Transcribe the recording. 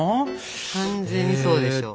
完全にそうでしょ今の。